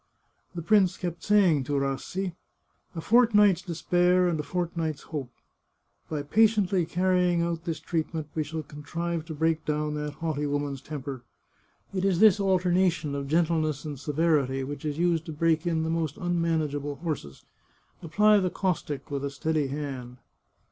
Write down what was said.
The prince kept saying to Rassi :" A fortnight's despair, and a fortnight's hope. By patiently carrying out this treat ment we shall contrive to break down that haughty woman's temper. It is this alternation of gentleness and severity which is used to break in the most unmanageable horses. Apply the caustic with a steady hand."